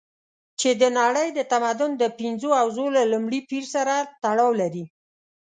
چې د نړۍ د تمدن د پنځو حوزو له لومړي پېر سره تړاو لري.